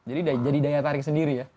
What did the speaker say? jadi jadi daya tarik sendiri ya